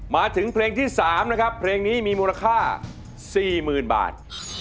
มาถึงเพลงที่๓นะครับเพลงนี้มีมูลค่า๔๐๐๐บาท